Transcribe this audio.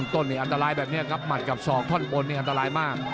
ต้นนี่อันตรายแบบนี้ครับหมัดกับศอกท่อนบนนี่อันตรายมาก